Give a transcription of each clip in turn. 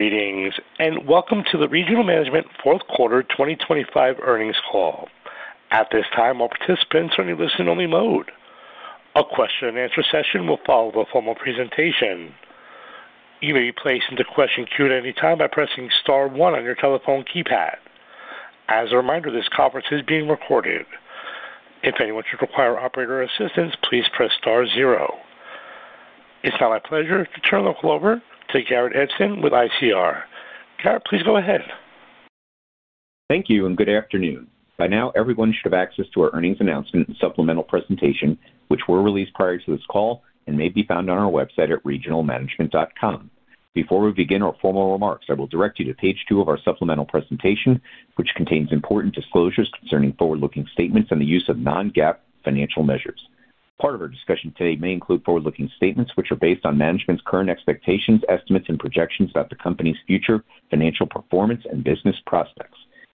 Greetings, and welcome to the Regional Management fourth quarter 2025 earnings call. At this time, all participants are in listen-only mode. A question-and-answer session will follow the formal presentation. You may be placed into question queue at any time by pressing star one on your telephone keypad. As a reminder, this conference is being recorded. If anyone should require operator assistance, please press star zero. It's now my pleasure to turn the floor over to Garrett Edson with ICR. Garrett, please go ahead. Thank you, and good afternoon. By now, everyone should have access to our earnings announcement and supplemental presentation, which were released prior to this call and may be found on our website at regionalmanagement.com. Before we begin our formal remarks, I will direct you to page two of our supplemental presentation, which contains important disclosures concerning forward-looking statements and the use of non-GAAP financial measures. Part of our discussion today may include forward-looking statements, which are based on management's current expectations, estimates, and projections about the company's future financial performance and business prospects.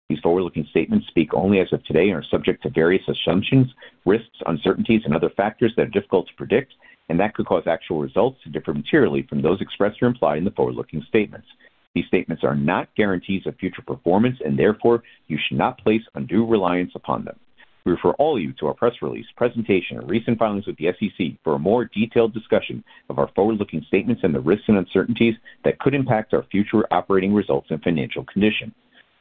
These forward-looking statements speak only as of today and are subject to various assumptions, risks, uncertainties, and other factors that are difficult to predict and that could cause actual results to differ materially from those expressed or implied in the forward-looking statements. These statements are not guarantees of future performance, and therefore you should not place undue reliance upon them. We refer all of you to our press release, presentation, and recent filings with the SEC for a more detailed discussion of our forward-looking statements and the risks and uncertainties that could impact our future operating results and financial condition.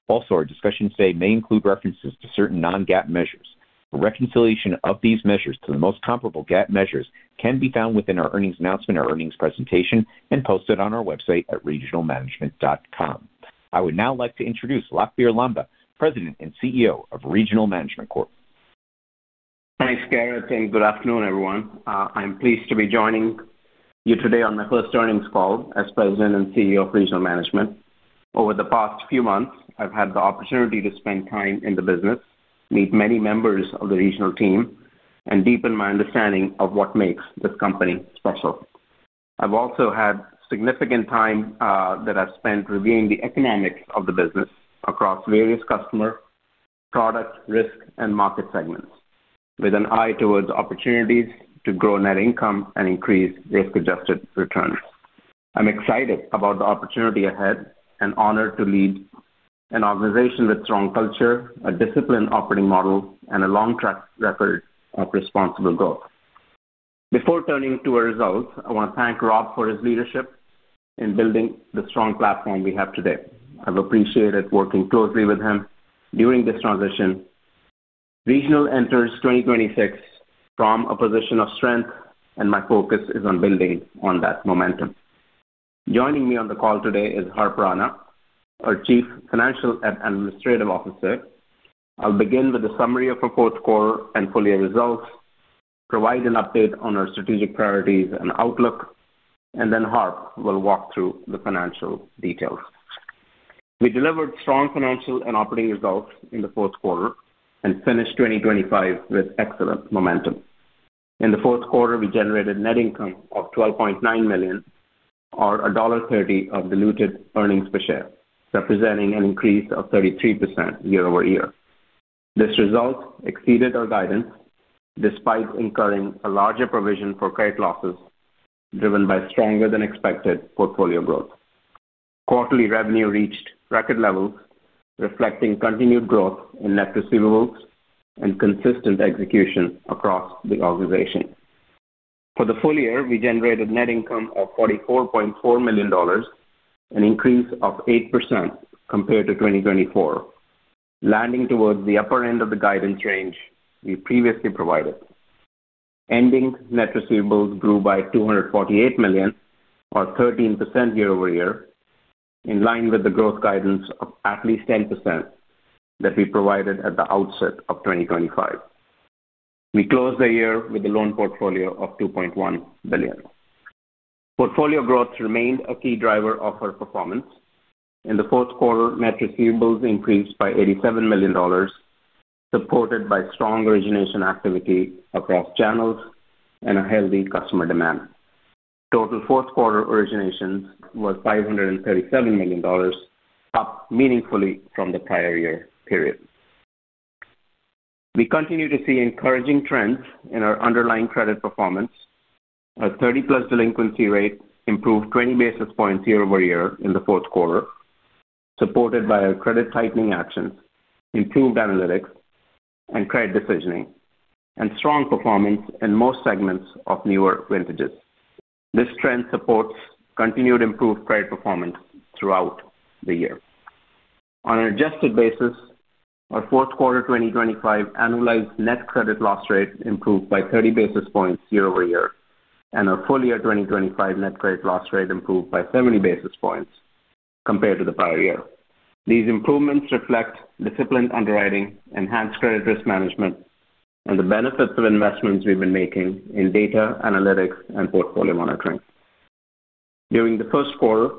Also, our discussion today may include references to certain non-GAAP measures. A reconciliation of these measures to the most comparable GAAP measures can be found within our earnings announcement or earnings presentation and posted on our website at regionalmanagement.com. I would now like to introduce Lakhbir Lamba, President and CEO of Regional Management Corp. Thanks, Garrett, and good afternoon, everyone. I'm pleased to be joining you today on my first earnings call as President and CEO of Regional Management. Over the past few months, I've had the opportunity to spend time in the business, meet many members of the Regional team, and deepen my understanding of what makes this company special. I've also had significant time that I've spent reviewing the economics of the business across various customer, product, risk, and market segments, with an eye towards opportunities to grow net income and increase risk-adjusted returns. I'm excited about the opportunity ahead and honored to lead an organization with strong culture, a disciplined operating model, and a long track record of responsible growth. Before turning to our results, I want to thank Rob for his leadership in building the strong platform we have today. I've appreciated working closely with him during this transition. Regional enters 2026 from a position of strength, and my focus is on building on that momentum. Joining me on the call today is Harp Rana, our Chief Financial and Administrative Officer. I'll begin with a summary of our fourth quarter and full-year results, provide an update on our strategic priorities and outlook, and then Harp will walk through the financial details. We delivered strong financial and operating results in the fourth quarter and finished 2025 with excellent momentum. In the fourth quarter, we generated net income of $12.9 million, or $1.30 of diluted earnings per share, representing an increase of 33% year-over-year. This result exceeded our guidance, despite incurring a larger provision for credit losses, driven by stronger-than-expected portfolio growth. Quarterly revenue reached record levels, reflecting continued growth in net receivables and consistent execution across the organization. For the full year, we generated net income of $44.4 million, an increase of 8% compared to 2024, landing towards the upper end of the guidance range we previously provided. Ending net receivables grew by $248 million, or 13% year-over-year, in line with the growth guidance of at least 10% that we provided at the outset of 2025. We closed the year with a loan portfolio of $2.1 billion. Portfolio growth remained a key driver of our performance. In the fourth quarter, net receivables increased by $87 million, supported by strong origination activity across channels and a healthy customer demand. Total fourth quarter originations was $537 million, up meaningfully from the prior year period. We continue to see encouraging trends in our underlying credit performance. Our 30+ delinquency rate improved 20 basis points year-over-year in the fourth quarter, supported by our credit tightening actions, improved analytics and credit decisioning, and strong performance in most segments of newer vintages. This trend supports continued improved credit performance throughout the year. On an adjusted basis, our fourth quarter 2025 annualized net credit loss rate improved by 30 basis points year-over-year, and our full-year 2025 net credit loss rate improved by 70 basis points compared to the prior year. These improvements reflect disciplined underwriting, enhanced credit risk management, and the benefits of investments we've been making in data, analytics, and portfolio monitoring. During the first quarter,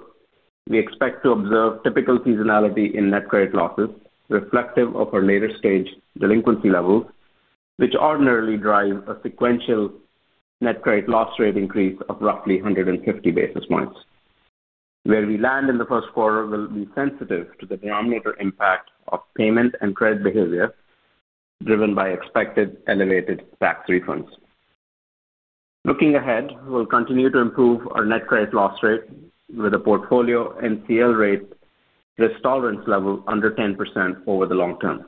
we expect to observe typical seasonality in net credit losses, reflective of our later-stage delinquency levels, which ordinarily drive a sequential net credit loss rate increase of roughly 150 basis points. Where we land in the first quarter will be sensitive to the denominator impact of payment and credit behavior driven by expected elevated tax refunds.... Looking ahead, we'll continue to improve our net credit loss rate with a portfolio NCL rate risk tolerance level under 10% over the long term.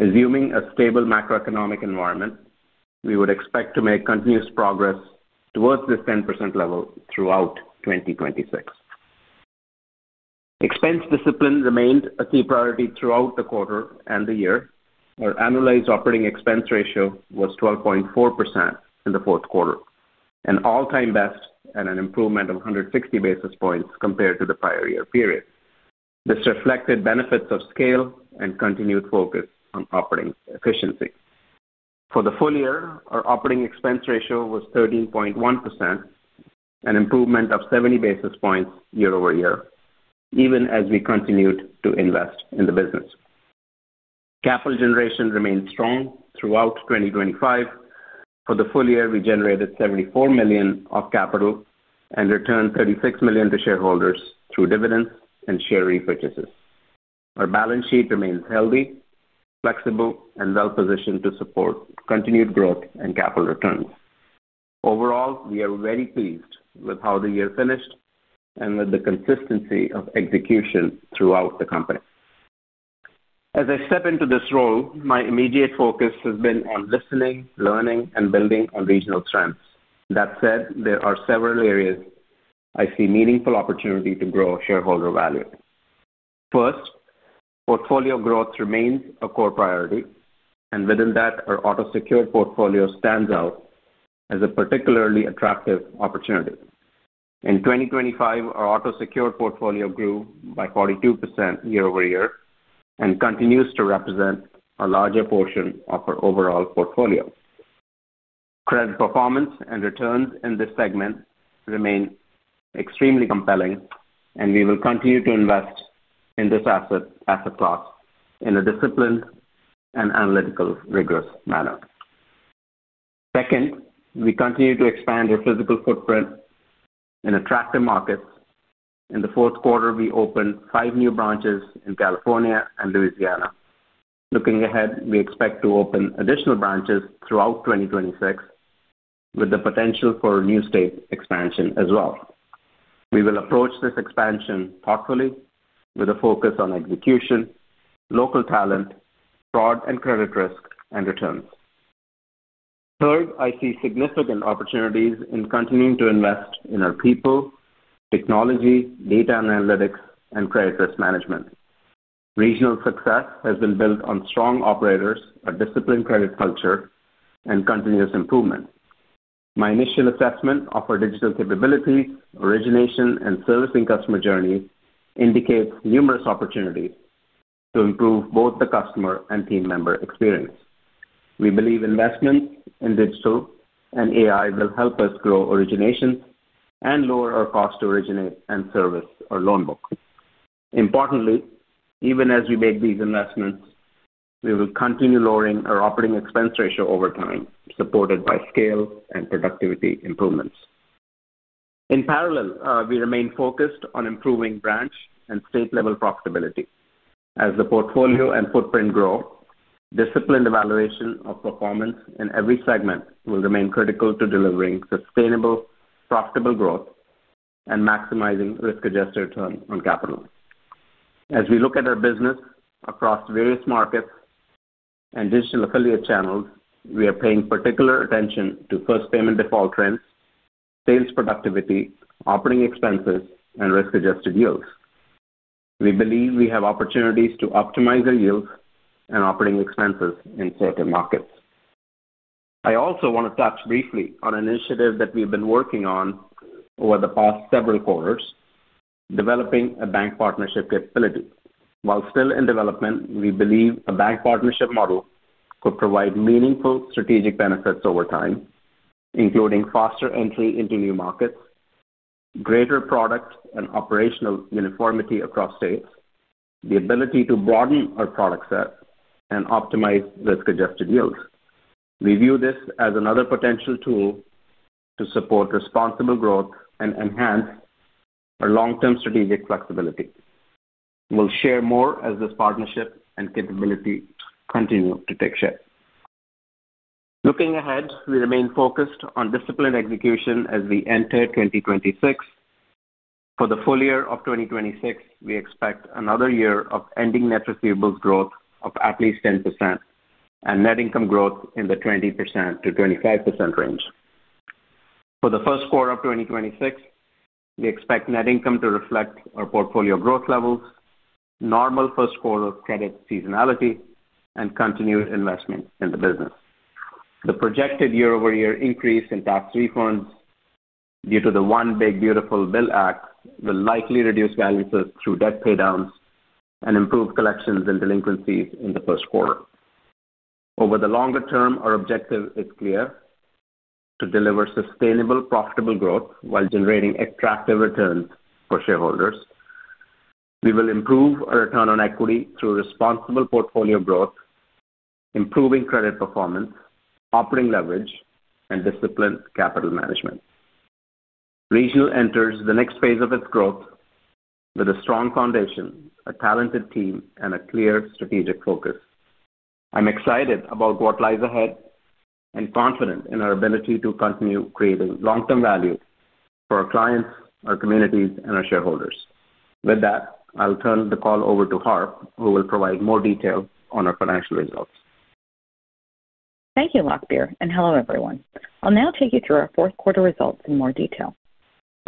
Assuming a stable macroeconomic environment, we would expect to make continuous progress towards this 10% level throughout 2026. Expense discipline remained a key priority throughout the quarter and the year. Our annualized operating expense ratio was 12.4% in the fourth quarter, an all-time best and an improvement of 160 basis points compared to the prior year period. This reflected benefits of scale and continued focus on operating efficiency. For the full year, our operating expense ratio was 13.1%, an improvement of 70 basis points year-over-year, even as we continued to invest in the business. Capital generation remained strong throughout 2025. For the full year, we generated $74 million of capital and returned $36 million to shareholders through dividends and share repurchases. Our balance sheet remains healthy, flexible, and well-positioned to support continued growth and capital returns. Overall, we are very pleased with how the year finished and with the consistency of execution throughout the company. As I step into this role, my immediate focus has been on listening, learning, and building on regional strengths. That said, there are several areas I see meaningful opportunity to grow shareholder value. First, portfolio growth remains a core priority, and within that, our auto-secured portfolio stands out as a particularly attractive opportunity. In 2025, our auto-secured portfolio grew by 42% year-over-year and continues to represent a larger portion of our overall portfolio. Credit performance and returns in this segment remain extremely compelling, and we will continue to invest in this asset, asset class in a disciplined and analytical, rigorous manner. Second, we continue to expand our physical footprint in attractive markets. In the fourth quarter, we opened five new branches in California and Louisiana. Looking ahead, we expect to open additional branches throughout 2026, with the potential for new state expansion as well. We will approach this expansion thoughtfully with a focus on execution, local talent, fraud and credit risk, and returns. Third, I see significant opportunities in continuing to invest in our people, technology, data and analytics, and credit risk management. Regional success has been built on strong operators, a disciplined credit culture, and continuous improvement. My initial assessment of our digital capability, origination, and servicing customer journey indicates numerous opportunities to improve both the customer and team member experience. We believe investment in digital and AI will help us grow origination and lower our cost to originate and service our loan book. Importantly, even as we make these investments, we will continue lowering our operating expense ratio over time, supported by scale and productivity improvements. In parallel, we remain focused on improving branch and state-level profitability. As the portfolio and footprint grow, disciplined evaluation of performance in every segment will remain critical to delivering sustainable, profitable growth and maximizing risk-adjusted return on capital. As we look at our business across various markets and digital affiliate channels, we are paying particular attention to first payment default trends, sales productivity, operating expenses, and risk-adjusted yields. We believe we have opportunities to optimize our yields and operating expenses in certain markets. I also want to touch briefly on an initiative that we've been working on over the past several quarters, developing a bank partnership capability. While still in development, we believe a bank partnership model could provide meaningful strategic benefits over time, including faster entry into new markets, greater product and operational uniformity across states, the ability to broaden our product set, and optimize risk-adjusted yields. We view this as another potential tool to support responsible growth and enhance our long-term strategic flexibility. We'll share more as this partnership and capability continue to take shape. Looking ahead, we remain focused on disciplined execution as we enter 2026. For the full year of 2026, we expect another year of Ending Net Receivables growth of at least 10% and net income growth in the 20%-25% range. For the first quarter of 2026, we expect net income to reflect our portfolio growth levels, normal first quarter credit seasonality, and continued investment in the business. The projected year-over-year increase in tax refunds due to the One Big Beautiful Bill Act will likely reduce balances through debt paydowns and improve collections and delinquencies in the first quarter. Over the longer term, our objective is clear: to deliver sustainable, profitable growth while generating attractive returns for shareholders. We will improve our return on equity through responsible portfolio growth, improving credit performance, operating leverage, and disciplined capital management.... Regional enters the next phase of its growth with a strong foundation, a talented team, and a clear strategic focus. I'm excited about what lies ahead and confident in our ability to continue creating long-term value for our clients, our communities, and our shareholders. With that, I'll turn the call over to Harp, who will provide more detail on our financial results. Thank you, Lakhbir, and hello, everyone. I'll now take you through our fourth quarter results in more detail.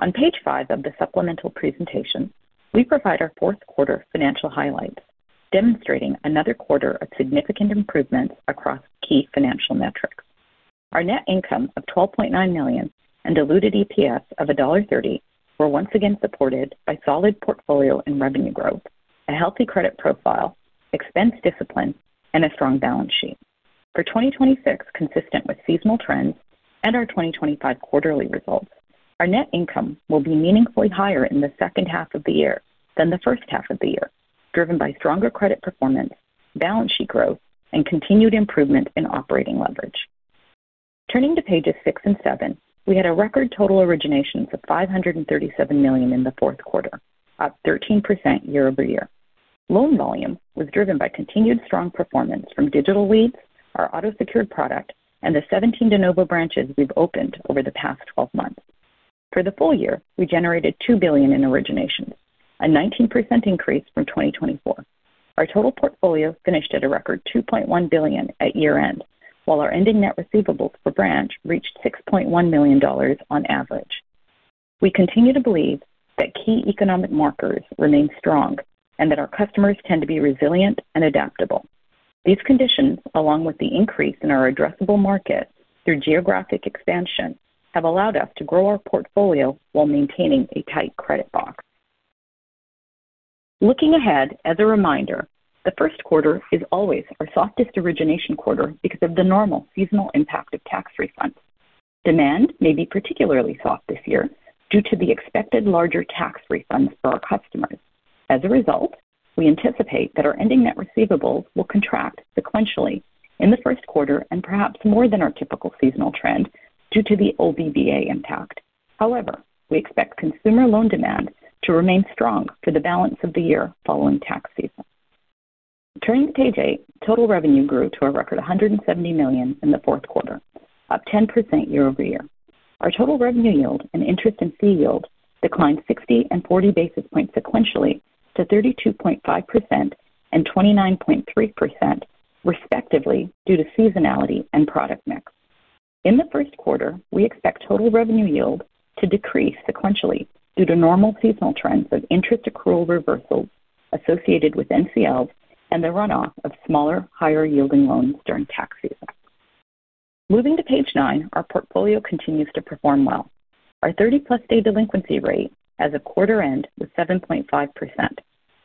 On page 5 of the supplemental presentation, we provide our fourth quarter financial highlights, demonstrating another quarter of significant improvements across key financial metrics. Our net income of $12.9 million and diluted EPS of $1.30 were once again supported by solid portfolio and revenue growth, a healthy credit profile, expense discipline, and a strong balance sheet. For 2026, consistent with seasonal trends and our 2025 quarterly results, our net income will be meaningfully higher in the second half of the year than the first half of the year, driven by stronger credit performance, balance sheet growth, and continued improvement in operating leverage. Turning to pages 6 and 7. We had a record total originations of $537 million in the fourth quarter, up 13% year-over-year. Loan volume was driven by continued strong performance from digital leads, our auto-secured product, and the 17 de novo branches we've opened over the past 12 months. For the full year, we generated $2 billion in originations, a 19% increase from 2024. Our total portfolio finished at a record $2.1 billion at year-end, while our ending net receivables per branch reached $6.1 million on average. We continue to believe that key economic markers remain strong and that our customers tend to be resilient and adaptable. These conditions, along with the increase in our addressable market through geographic expansion, have allowed us to grow our portfolio while maintaining a tight credit box. Looking ahead, as a reminder, the first quarter is always our softest origination quarter because of the normal seasonal impact of tax refunds. Demand may be particularly soft this year due to the expected larger tax refunds for our customers. As a result, we anticipate that our ending net receivables will contract sequentially in the first quarter and perhaps more than our typical seasonal trend due to the OBBA impact. However, we expect consumer loan demand to remain strong for the balance of the year following tax season. Turning to page eight. Total revenue grew to a record $170 million in the fourth quarter, up 10% year-over-year. Our total revenue yield and interest and fee yield declined 60 and 40 basis points sequentially to 32.5% and 29.3%, respectively, due to seasonality and product mix. In the first quarter, we expect total revenue yield to decrease sequentially due to normal seasonal trends of interest accrual reversals associated with NCLs and the runoff of smaller, higher-yielding loans during tax season. Moving to page nine. Our portfolio continues to perform well. Our 30+ day delinquency rate as of quarter end was 7.5%,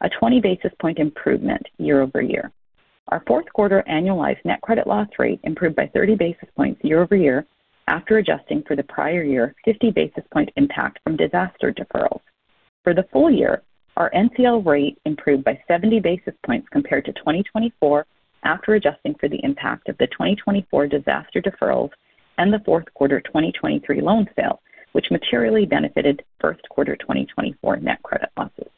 a 20 basis points improvement year-over-year. Our fourth quarter annualized net credit loss rate improved by 30 basis points year-over-year after adjusting for the prior year, 50 basis points impact from disaster deferrals. For the full year, our NCL rate improved by 70 basis points compared to 2024, after adjusting for the impact of the 2024 disaster deferrals and the fourth quarter 2023 loan sale, which materially benefited first quarter 2024 net credit losses.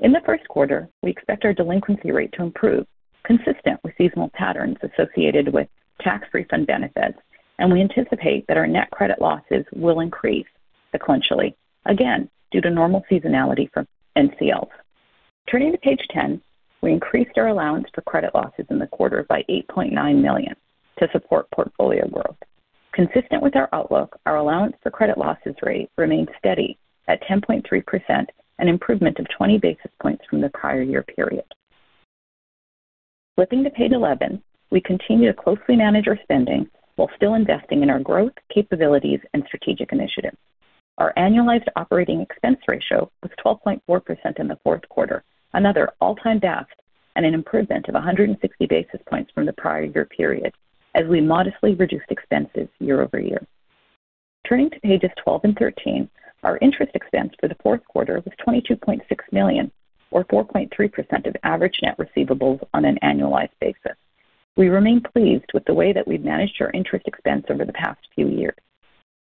In the first quarter, we expect our delinquency rate to improve, consistent with seasonal patterns associated with tax refund benefits, and we anticipate that our net credit losses will increase sequentially, again, due to normal seasonality from NCLs. Turning to page 10. We increased our allowance for credit losses in the quarter by $8.9 million to support portfolio growth. Consistent with our outlook, our allowance for credit losses rate remained steady at 10.3%, an improvement of 20 basis points from the prior year period. Flipping to page 11. We continue to closely manage our spending while still investing in our growth, capabilities, and strategic initiatives. Our annualized operating expense ratio was 12.4% in the fourth quarter, another all-time best and an improvement of 160 basis points from the prior year period, as we modestly reduced expenses year-over-year. Turning to pages 12 and 13. Our interest expense for the fourth quarter was $22.6 million, or 4.3% of average net receivables on an annualized basis. We remain pleased with the way that we've managed our interest expense over the past few years.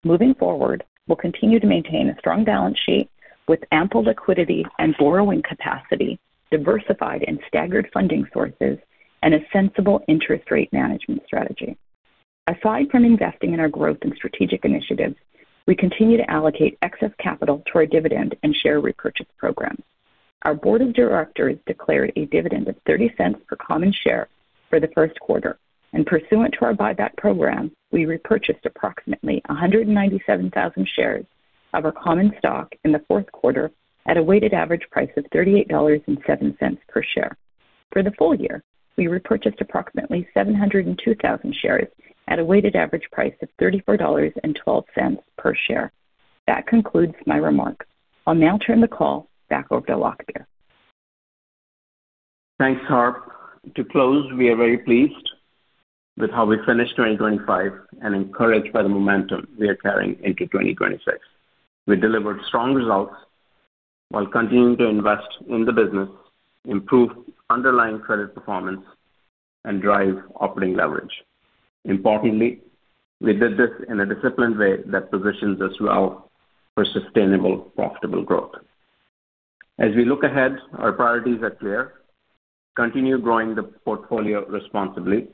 Moving forward, we'll continue to maintain a strong balance sheet with ample liquidity and borrowing capacity, diversified and staggered funding sources, and a sensible interest rate management strategy. Aside from investing in our growth and strategic initiatives, we continue to allocate excess capital to our dividend and share repurchase program. Our board of directors declared a dividend of $0.30 per common share for the first quarter, and pursuant to our buyback program, we repurchased approximately 197,000 shares of our common stock in the fourth quarter at a weighted average price of $38.07 per share. For the full year, we repurchased approximately 702,000 shares at a weighted average price of $34.12 per share. That concludes my remarks. I'll now turn the call back over to Lakhbir. Thanks, Harp. To close, we are very pleased with how we finished 2025 and encouraged by the momentum we are carrying into 2026. We delivered strong results-... while continuing to invest in the business, improve underlying credit performance, and drive operating leverage. Importantly, we did this in a disciplined way that positions us well for sustainable, profitable growth. As we look ahead, our priorities are clear: continue growing the portfolio responsibly,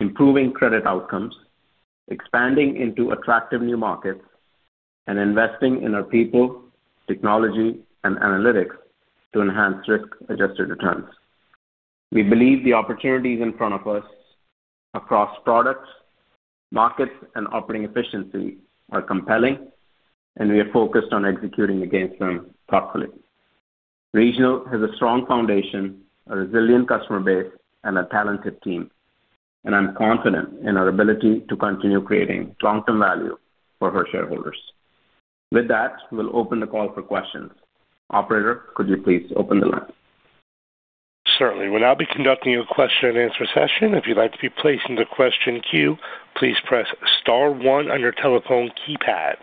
improving credit outcomes, expanding into attractive new markets, and investing in our people, technology, and analytics to enhance risk-adjusted returns. We believe the opportunities in front of us across products, markets, and operating efficiency are compelling, and we are focused on executing against them thoughtfully. Regional has a strong foundation, a resilient customer base, and a talented team, and I'm confident in our ability to continue creating long-term value for our shareholders. With that, we'll open the call for questions. Operator, could you please open the line? Certainly. We'll now be conducting a question-and-answer session. If you'd like to be placed in the question queue, please press star one on your telephone keypad.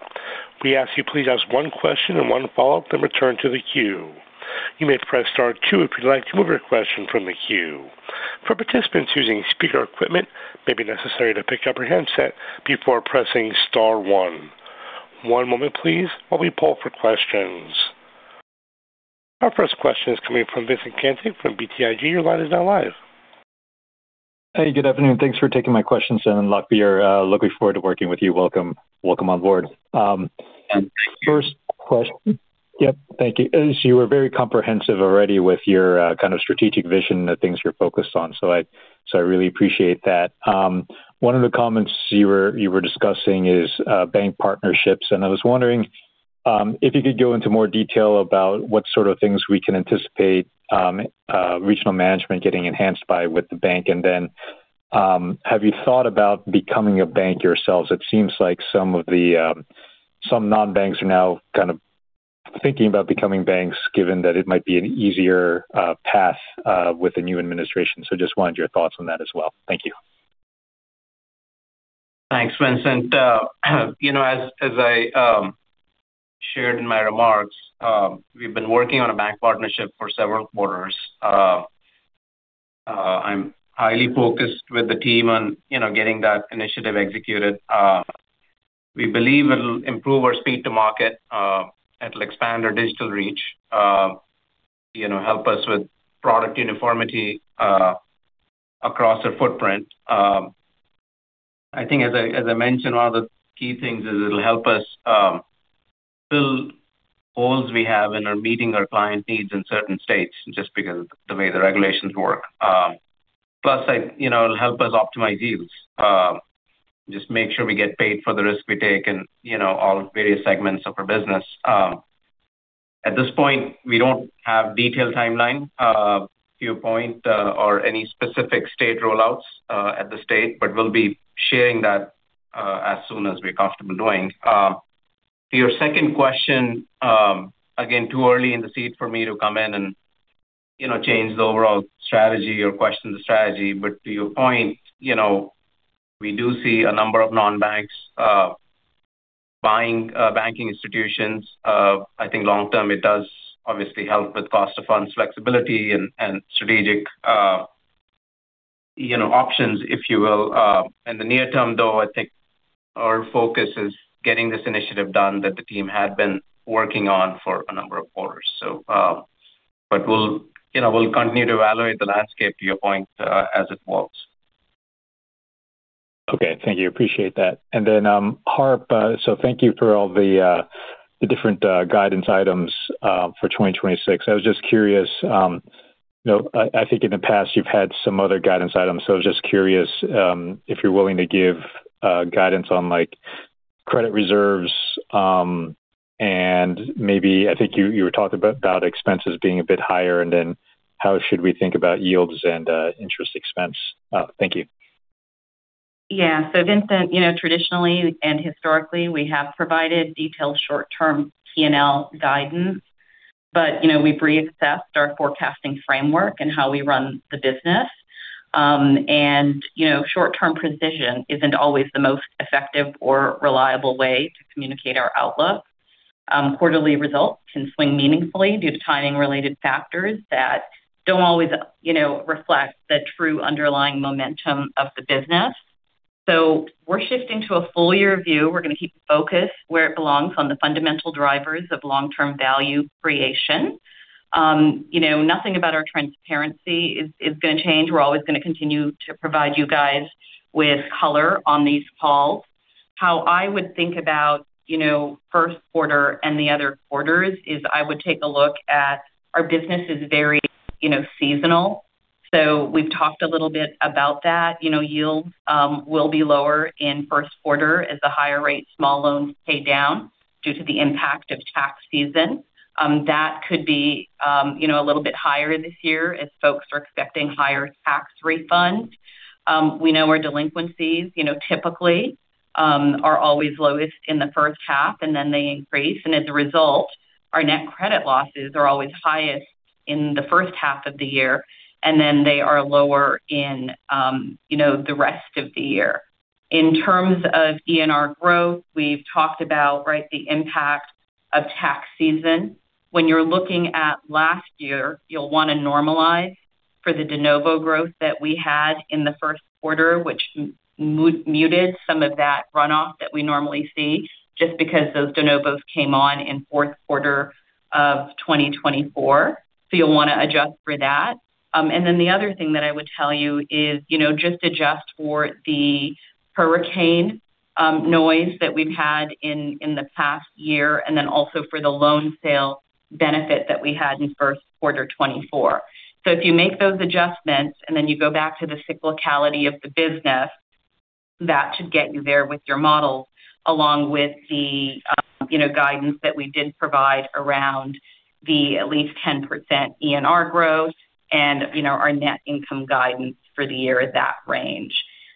We ask you please ask one question and one follow-up, then return to the queue. You may press star two if you'd like to remove your question from the queue. For participants using speaker equipment, it may be necessary to pick up your handset before pressing star one. One moment please, while we poll for questions. Our first question is coming from Vincent Caintic from BTIG. Your line is now live. Hey, good afternoon, and thanks for taking my questions, and Lakhbir, looking forward to working with you. Welcome, welcome on board. Thank you. First question. Yep, thank you. As you were very comprehensive already with your kind of strategic vision and the things you're focused on, so I really appreciate that. One of the comments you were discussing is bank partnerships, and I was wondering if you could go into more detail about what sort of things we can anticipate Regional Management getting enhanced by with the bank. And then, have you thought about becoming a bank yourselves? It seems like some of the non-banks are now kind of thinking about becoming banks, given that it might be an easier path with the new administration. So just wanted your thoughts on that as well. Thank you. Thanks, Vincent. You know, as I shared in my remarks, we've been working on a bank partnership for several quarters. I'm highly focused with the team on, you know, getting that initiative executed. We believe it'll improve our speed to market, it'll expand our digital reach, you know, help us with product uniformity across our footprint. I think as I mentioned, one of the key things is it'll help us fill holes we have in meeting our client needs in certain states, just because the way the regulations work. Plus, like, you know, it'll help us optimize yields, just make sure we get paid for the risk we take in, you know, all various segments of our business. At this point, we don't have detailed timeline, to your point, or any specific state rollouts, at the state, but we'll be sharing that, as soon as we're comfortable doing. To your second question, again, too early in the seat for me to come in and, you know, change the overall strategy or question the strategy. But to your point, you know, we do see a number of non-banks, buying banking institutions. I think long term, it does obviously help with cost of funds, flexibility and, and strategic, you know, options, if you will. In the near term, though, I think our focus is getting this initiative done that the team had been working on for a number of quarters. But we'll, you know, we'll continue to evaluate the landscape, to your point, as it evolves. Okay. Thank you. Appreciate that. And then, Harp, so thank you for all the different guidance items for 2026. I was just curious, you know, I think in the past you've had some other guidance items, so I was just curious if you're willing to give guidance on, like, credit reserves, and maybe I think you were talking about expenses being a bit higher, and then how should we think about yields and interest expense? Thank you. Yeah. So Vincent, you know, traditionally and historically, we have provided detailed short-term P&L guidance, but, you know, we've reassessed our forecasting framework and how we run the business. And, you know, short-term precision isn't always the most effective or reliable way to communicate our outlook. Quarterly results can swing meaningfully due to timing-related factors that don't always, you know, reflect the true underlying momentum of the business. So we're shifting to a full year view. We're going to keep the focus where it belongs, on the fundamental drivers of long-term value creation. You know, nothing about our transparency is going to change. We're always going to continue to provide you guys with color on these calls. How I would think about, you know, first quarter and the other quarters is I would take a look at our business is very, you know, seasonal, so we've talked a little bit about that. You know, yields will be lower in first quarter as the higher rate small loans pay down due to the impact of tax season. That could be, you know, a little bit higher this year as folks are expecting higher tax refunds. We know our delinquencies, you know, typically are always lowest in the first half, and then they increase, and as a result, our net credit losses are always highest in the first half of the year, and then they are lower in, you know, the rest of the year. In terms of ENR growth, we've talked about, right, the impact of tax season. When you're looking at last year, you'll want to normalize for the de novo growth that we had in the first quarter, which muted some of that runoff that we normally see, just because those de novos came on in fourth quarter of 2024. So you'll want to adjust for that. And then the other thing that I would tell you is, you know, just adjust for the hurricane noise that we've had in the past year, and then also for the loan sale benefit that we had in first quarter 2024. So if you make those adjustments, and then you go back to the cyclicality of the business, that should get you there with your model, along with the, you know, guidance that we did provide around the at least 10% ENR growth and, you know, our net income guidance for the year at that range.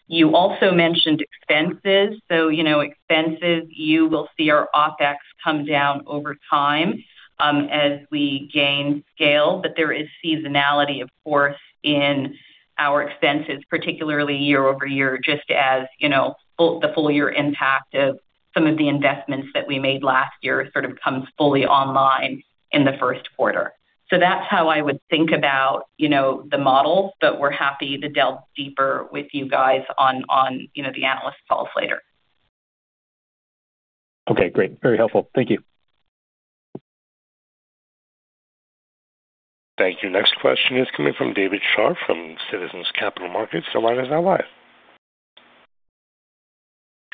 You also mentioned expenses. So, you know, expenses, you will see our OpEx come down over time, as we gain scale. But there is seasonality, of course, in our expenses, particularly year-over-year, just as, you know, full year impact of some of the investments that we made last year sort of comes fully online in the first quarter. So that's how I would think about, you know, the model, but we're happy to delve deeper with you guys on, on, you know, the analyst calls later. Okay, great. Very helpful. Thank you. Thank you. Next question is coming from David Scharf from Citizens Capital Markets. The line is now live.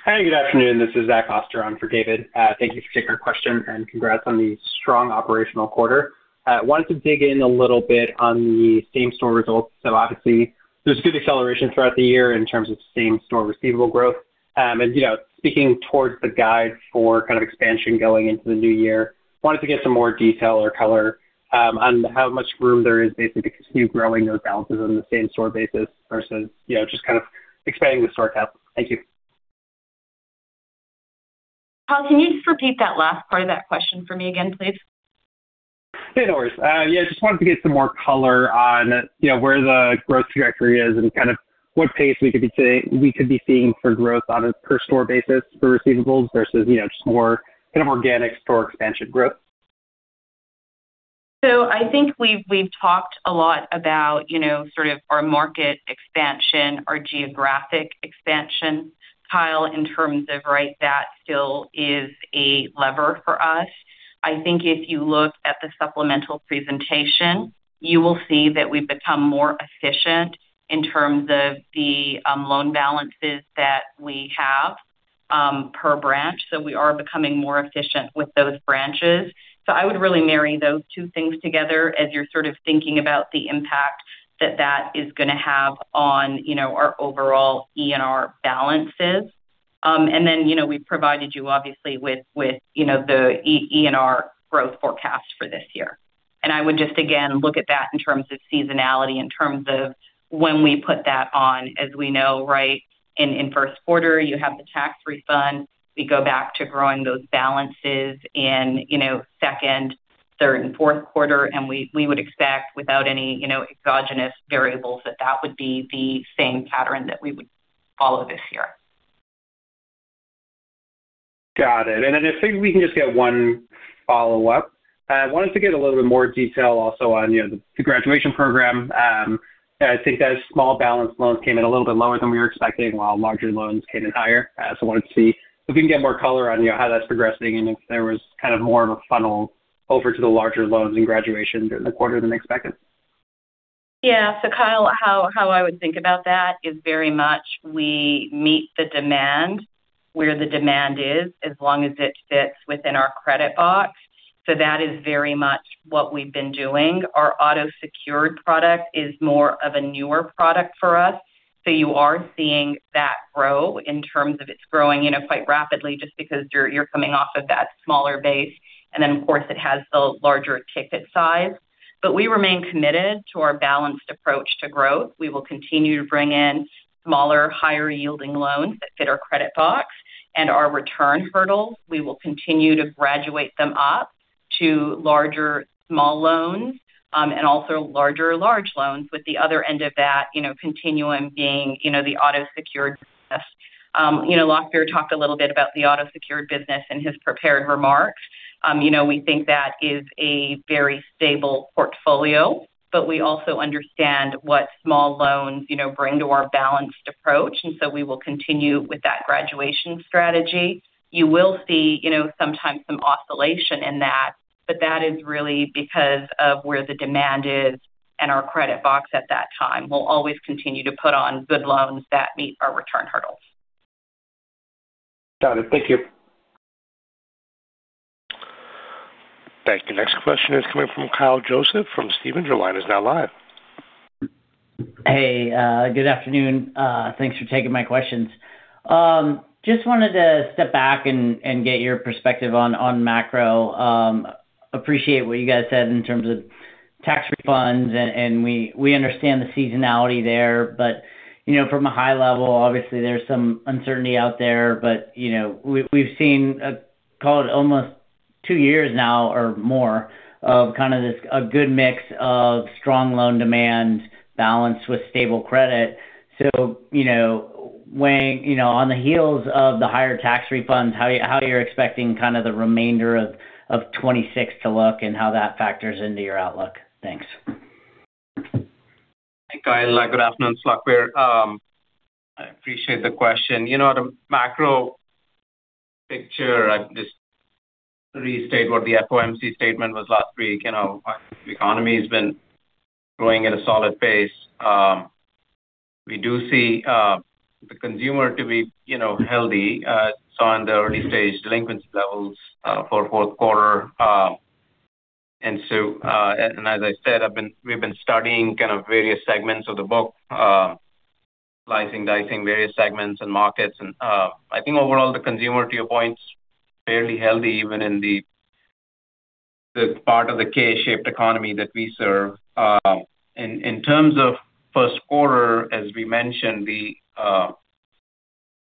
Hi, good afternoon. This is Zach Oster on for David. Thank you for taking our question, and congrats on the strong operational quarter. Wanted to dig in a little bit on the same store results. So obviously, there's good acceleration throughout the year in terms of same store receivable growth. And, you know, speaking towards the guide for kind of expansion going into the new year, wanted to get some more detail or color, on how much room there is basically to continue growing those balances on the same store basis versus, you know, just kind of expanding the store count. Thank you. Kyle, can you just repeat that last part of that question for me again, please? Yeah, no worries. Yeah, just wanted to get some more color on, you know, where the growth trajectory is and kind of what pace we could be seeing for growth on a per store basis for receivables versus, you know, just more kind of organic store expansion growth. So I think we've talked a lot about, you know, sort of our market expansion, our geographic expansion, Kyle, in terms of, right, that still is a lever for us. I think if you look at the supplemental presentation, you will see that we've become more efficient in terms of the loan balances that we have per branch, so we are becoming more efficient with those branches. So I would really marry those two things together as you're sort of thinking about the impact that that is going to have on, you know, our overall ENR balances. And then, you know, we've provided you obviously with, with, you know, the ENR growth forecast for this year. And I would just again, look at that in terms of seasonality, in terms of when we put that on, as we know, right? In first quarter, you have the tax refund. We go back to growing those balances in, you know, second, third, and fourth quarter, and we would expect without any, you know, exogenous variables, that that would be the same pattern that we would follow this year. Got it. And then if maybe we can just get one follow-up. I wanted to get a little bit more detail also on, you know, the graduation program. I think that small balance loans came in a little bit lower than we were expecting, while larger loans came in higher. So I wanted to see if we can get more color on, you know, how that's progressing, and if there was kind of more of a funnel over to the larger loans and graduations in the quarter than expected. Yeah. So Kyle, how I would think about that is very much we meet the demand where the demand is, as long as it fits within our credit box. So that is very much what we've been doing. Our auto-secured product is more of a newer product for us, so you are seeing that grow in terms of it's growing, you know, quite rapidly just because you're coming off of that smaller base, and then, of course, it has the larger ticket size. But we remain committed to our balanced approach to growth. We will continue to bring in smaller, higher-yielding loans that fit our credit box and our return hurdles. We will continue to graduate them up to larger small loans, and also larger large loans, with the other end of that, you know, continuum being, you know, the auto-secured business. You know, Lakhbir talked a little bit about the auto-secured business in his prepared remarks. You know, we think that is a very stable portfolio, but we also understand what small loans, you know, bring to our balanced approach, and so we will continue with that graduation strategy. You will see, you know, sometimes some oscillation in that, but that is really because of where the demand is and our credit box at that time. We'll always continue to put on good loans that meet our return hurdles. Got it. Thank you. Thank you. Next question is coming from Kyle Joseph from Stephens. Your line is now live. Hey, good afternoon. Thanks for taking my questions. Just wanted to step back and get your perspective on macro. Appreciate what you guys said in terms of tax refunds, and we understand the seasonality there. But, you know, from a high level, obviously, there's some uncertainty out there. But, you know, we've seen call it almost 2 years now or more of kind of this, a good mix of strong loan demand balanced with stable credit. So, you know, weighing, you know, on the heels of the higher tax refunds, how are you expecting kind of the remainder of 2026 to look and how that factors into your outlook? Thanks. Hi, Kyle. Good afternoon. It's Lakhbir. I appreciate the question. You know, the macro picture, I just restate what the FOMC statement was last week. You know, the economy has been growing at a solid pace. We do see the consumer to be, you know, healthy, so on the early-stage delinquency levels for fourth quarter. And so, and as I said, I've been-- we've been studying kind of various segments of the book, slicing, dicing various segments and markets. And I think overall, the consumer, to your point, fairly healthy, even in the part of the K-shaped economy that we serve. In terms of first quarter, as we mentioned, we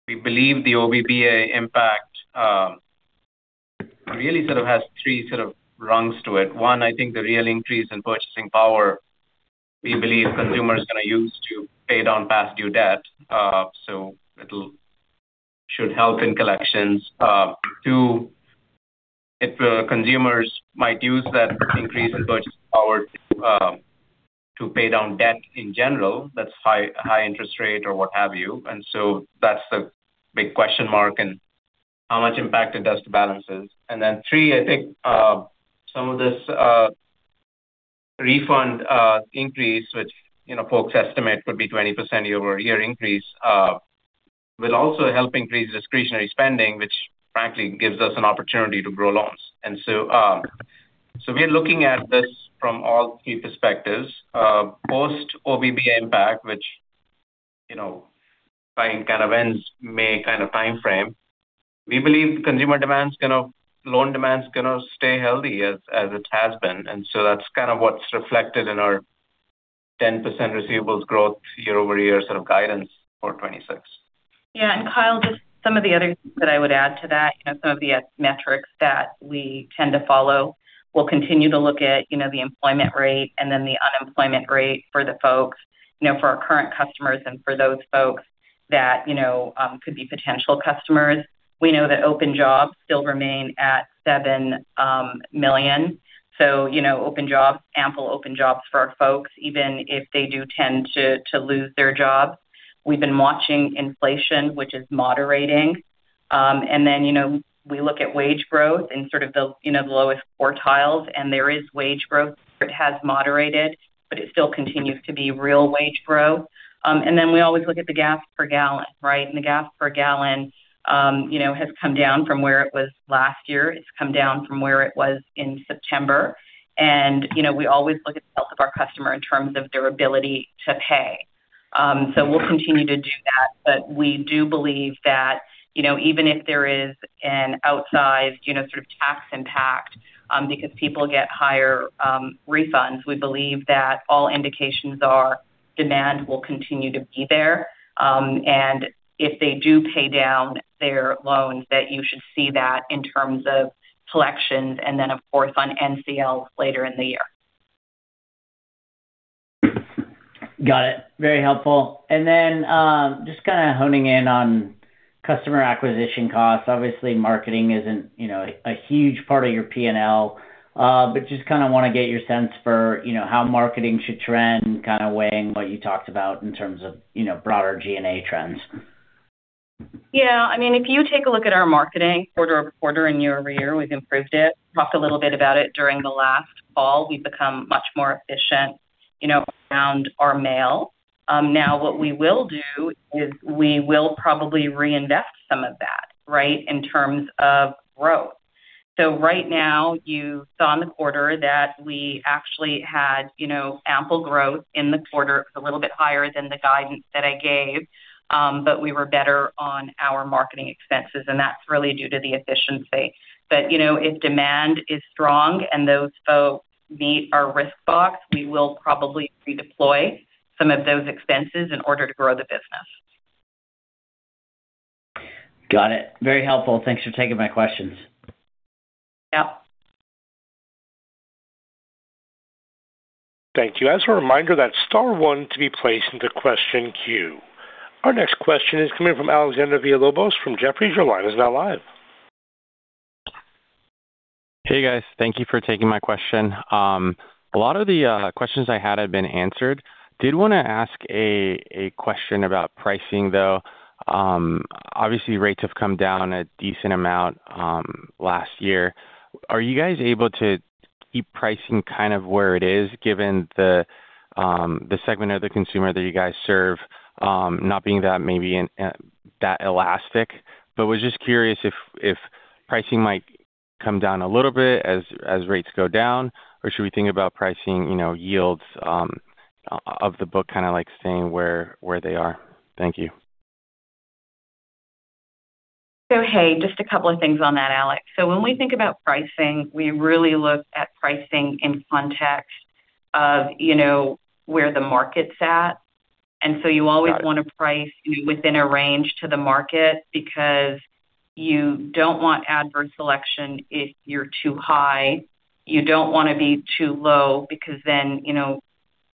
believe the OBBA impact really sort of has three sort of rungs to it. One, I think the real increase in purchasing power, we believe consumer is going to use to pay down past due debt. So it'll- should help in collections. Two, if the consumers might use that increase in purchasing power to pay down debt in general, that's high, high interest rate or what have you. And so that's the big question mark, and how much impact it does to balances. And then three, I think some of this refund increase, which, you know, folks estimate would be 20% year-over-year increase, will also help increase discretionary spending, which frankly, gives us an opportunity to grow loans. And so, so we're looking at this from all key perspectives. Post-OBBA impact, which, you know, by kind of end of May kind of timeframe, we believe loan demand is gonna stay healthy as it has been. And so that's kind of what's reflected in our 10% receivables growth year-over-year sort of guidance for 2026. Yeah, and Kyle, just some of the other things that I would add to that, you know, some of the metrics that we tend to follow. We'll continue to look at, you know, the employment rate and then the unemployment rate for the folks, you know, for our current customers and for those folks that, you know, could be potential customers. We know that open jobs still remain at 7 million. So you know, open jobs, ample open jobs for our folks, even if they do tend to lose their jobs. We've been watching inflation, which is moderating. And then, you know, we look at wage growth in sort of the, you know, the lowest quartiles, and there is wage growth. It has moderated, but it still continues to be real wage growth. And then we always look at the gas per gallon, right? The gas per gallon, you know, has come down from where it was last year. It's come down from where it was in September. You know, we always look at the health of our customer in terms of their ability to pay. So we'll continue to do that, but we do believe that, you know, even if there is an outsized, you know, sort of tax impact, because people get higher refunds, we believe that all indications are demand will continue to be there. And if they do pay down their loans, that you should see that in terms of collections and then, of course, on NCL later in the year. Got it. Very helpful. And then, just kinda honing in on customer acquisition costs. Obviously, marketing isn't, you know, a huge part of your P&L, but just kind of wanna get your sense for, you know, how marketing should trend, kind of weighing what you talked about in terms of, you know, broader GNA trends. Yeah, I mean, if you take a look at our marketing quarter-over-quarter and year-over-year, we've improved it. Talked a little bit about it during the last call. We've become much more efficient, you know, around our mail. Now what we will do is we will probably reinvest some of that, right? In terms of growth. So right now, you saw in the quarter that we actually had, you know, ample growth in the quarter. It's a little bit higher than the guidance that I gave, but we were better on our marketing expenses, and that's really due to the efficiency. You know, if demand is strong and those folks meet our risk box, we will probably redeploy some of those expenses in order to grow the business. Got it. Very helpful. Thanks for taking my questions. Yep. Thank you. As a reminder, that's star one to be placed into question queue. Our next question is coming from Alexander Villalobos from Jefferies. Your line is now live. Hey, guys. Thank you for taking my question. A lot of the questions I had have been answered. Did want to ask a question about pricing, though. Obviously, rates have come down a decent amount last year. Are you guys able to keep pricing kind of where it is, given the segment of the consumer that you guys serve not being that maybe in that elastic? But was just curious if pricing might come down a little bit as rates go down, or should we think about pricing, you know, yields of the book, kind of like staying where they are? Thank you. So, hey, just a couple of things on that, Alex. So when we think about pricing, we really look at pricing in context of, you know, where the market's at. And so you always want to price within a range to the market because you don't want adverse selection if you're too high. You don't want to be too low because then, you know,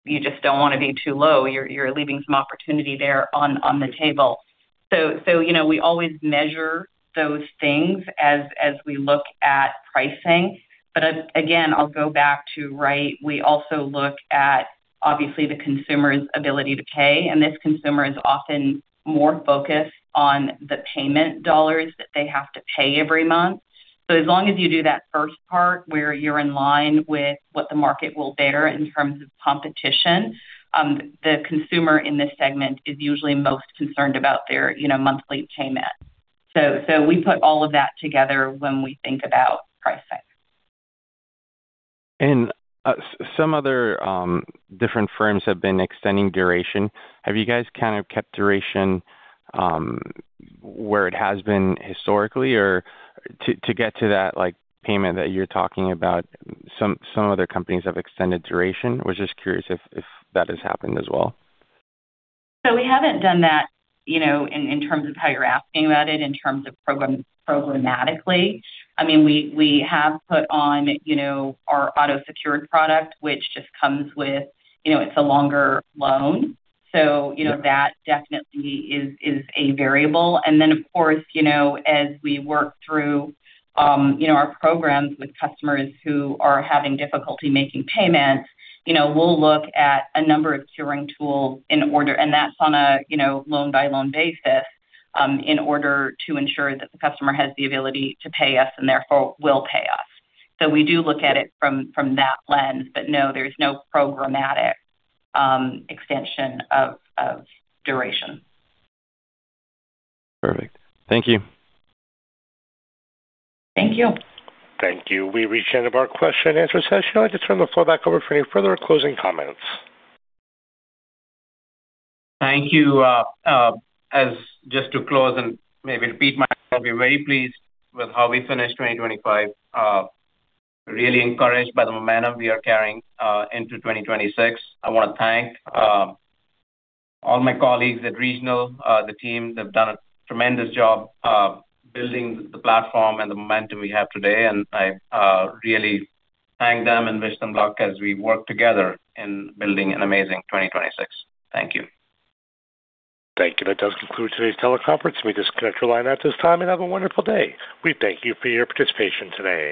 you just don't want to be too low. You're leaving some opportunity there on the table. So, you know, we always measure those things as we look at pricing. But again, I'll go back to right, we also look at, obviously, the consumer's ability to pay, and this consumer is often more focused on the payment dollars that they have to pay every month. So as long as you do that first part, where you're in line with what the market will bear in terms of competition, the consumer in this segment is usually most concerned about their, you know, monthly payment. So, so we put all of that together when we think about pricing. Some other different firms have been extending duration. Have you guys kind of kept duration where it has been historically? Or to get to that, like, payment that you're talking about, some other companies have extended duration. I was just curious if that has happened as well. So we haven't done that, you know, in terms of how you're asking about it, in terms of programmatically. I mean, we have put on, you know, our auto-secured product, which just comes with, you know, it's a longer loan. So, you know, that definitely is a variable. And then, of course, you know, as we work through, you know, our programs with customers who are having difficulty making payments, you know, we'll look at a number of curing tools in order... And that's on a, you know, loan-by-loan basis, in order to ensure that the customer has the ability to pay us and therefore will pay us. So we do look at it from that lens, but no, there's no programmatic extension of duration. Perfect. Thank you. Thank you. Thank you. We've reached the end of our question-and-answer session. I'd like to turn the floor back over for any further closing comments. Thank you. As just to close and maybe repeat myself, we're very pleased with how we finished 2025. Really encouraged by the momentum we are carrying into 2026. I want to thank all my colleagues at Regional. The team, they've done a tremendous job building the platform and the momentum we have today, and I really thank them and wish them luck as we work together in building an amazing 2026. Thank you. Thank you. That does conclude today's teleconference. We disconnect your line at this time, and have a wonderful day. We thank you for your participation today.